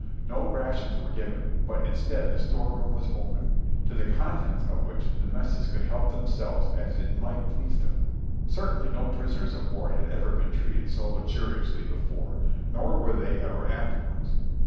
No rations w^ere given, but instead the store room was open, to the contents of which the messes could help themselves as it might please them. Certainly no prisoners of war had ever been treated so luxuriously before, nor were they ever afterwards.